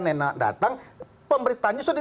nena datang pemberitanya sudah